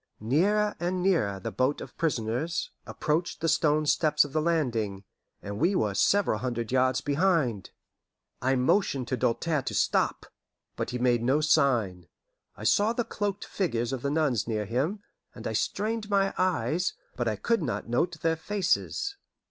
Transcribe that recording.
Nearer and nearer the boat of prisoners approached the stone steps of the landing, and we were several hundred yards behind. I motioned to Doltaire to stop, but he made no sign. I saw the cloaked figures of the nuns near him, and I strained my eyes, but I could not note their faces.